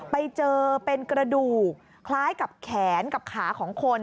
ไปเจอเป็นกระดูกคล้ายกับแขนกับขาของคน